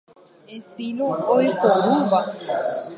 Estilo oiporúva.